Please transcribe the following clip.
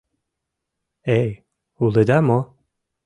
Эй, улыда мо?